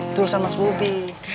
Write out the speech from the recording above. itu urusan mas bobby